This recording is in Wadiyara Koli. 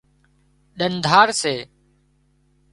ۮنڌار سي